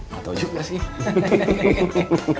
gak tau juga sih